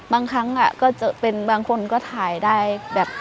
บางครั้งก็จะเป็นบางคนก็ถ่ายได้แบบ